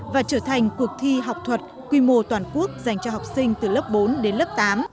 và trở thành cuộc thi học thuật quy mô toàn quốc dành cho học sinh từ lớp bốn đến lớp tám